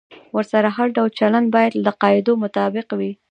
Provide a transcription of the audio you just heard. ورسره هر ډول چلند باید د قاعدو مطابق وي.